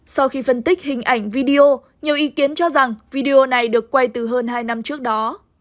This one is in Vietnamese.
sau khi phân tích hình ảnh video nhiều ý kiến cho rằng video này được quay từ hơn hai năm trước đó